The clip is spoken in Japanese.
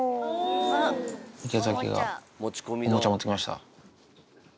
池崎がおもちゃ持ってきました。